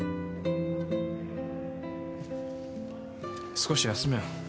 少し休めよ。